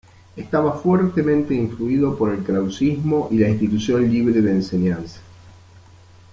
Estaba fuertemente influido por el krausismo y la Institución Libre de Enseñanza.